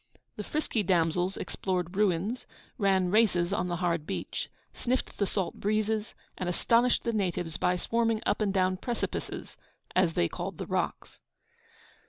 The frisky damsels explored ruins, ran races on the hard beach, sniffed the salt breezes, and astonished the natives by swarming up and down 'precipices,' as they called the rocks.